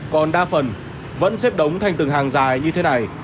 còn đa phần vẫn xếp đống thành từng hàng dài như thế này